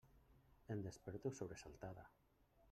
Em desperto sobresaltada.